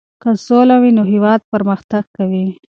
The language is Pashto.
که سوله وي نو هېواد پرمختګ کوي.